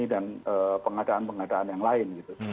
dan pengadaan pengadaan yang lain gitu